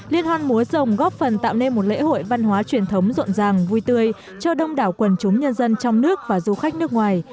liên hoan múa dòng góp phần tạo nên một lễ hội văn hóa truyền thống rộn ràng vui tươi cho đông đảo quần chúng nhân dân trong nước và du khách nước ngoài